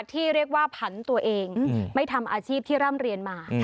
ที่เรียกว่าผันตัวเองไม่ทำอาชีพที่ร่ำเรียนมา